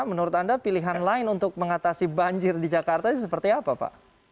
menurut anda pilihan lain untuk mengatasi banjir di jakarta itu seperti apa pak